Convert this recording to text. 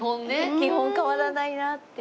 基本変わらないなって。